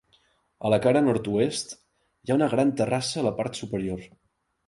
A la cara nord-oest, hi ha una gran terrassa a la part superior.